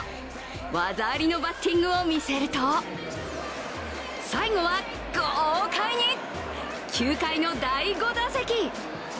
技ありのバッティングをみせると、最後は豪快に、９回の第５打席。